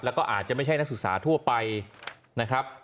แล้วก็อาจจะไม่ใช่นักศึกษาทั่วไปนะครับ